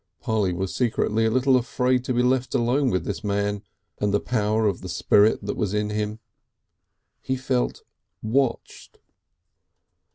Polly was secretly a little afraid to be left alone with this man and the power of the spirit that was in him. He felt watched.